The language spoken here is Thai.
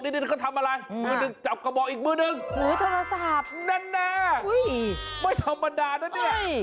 นี่มันเพิ่งทำอะไรจับกระบอกอีกมือหนึ่งเฮ้ยโทรศาสตร์นั่นนะไม่ธรรมดานะเนี่ย